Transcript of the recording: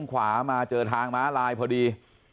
ขวามาเจอทางม้าลายพอดี